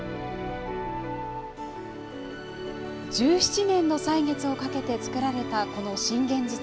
１７年の歳月をかけて作られたこの信玄堤。